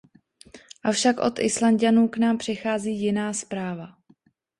Avšak od Islanďanů k nám přichází jiná zpráva.